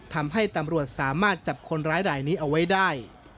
ทำให้ตำรวจสามารถจับคนร้ายรายนี้เอาไว้ได้